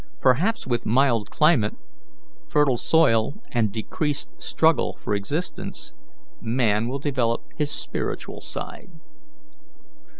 Perhaps with mild climate, fertile soil, and decreased struggle for existence, man will develop his spiritual side.